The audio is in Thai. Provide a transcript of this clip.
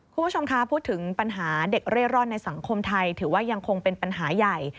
คุณผู้ชมคะพูดถึงปัญหาเด็กเร่ร่อนในสังคมไทยถือว่ายังคงเป็นปัญหาใหญ่